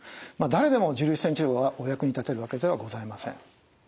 誰でも重粒子線治療がお役に立てるわけではございません。